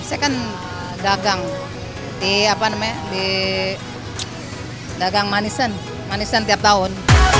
saya kan dagang di dagang manisan manisan tiap tahun